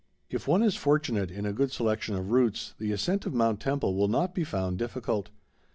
If one is fortunate in a good selection of routes, the ascent of Mount Temple will not be found difficult.